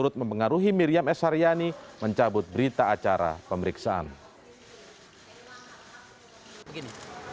tapi miriam esaryani mencabut berita acara pemeriksaan